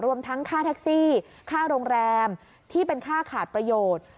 รวมทั้งค่าแท็กซี่ค่าโรงแรมที่เป็นค่าขาดประโยชน์